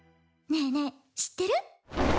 ねえねえ知ってる？